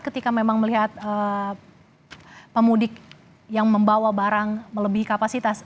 ketika memang melihat pemudik yang membawa barang melebihi kapasitas